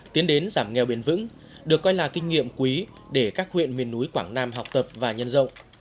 tiến đến giảm nghèo bền vững được coi là kinh nghiệm quý để các huyện miền núi quảng nam học tập và nhân rộng